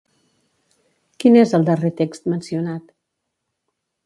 Quin és el darrer text mencionat?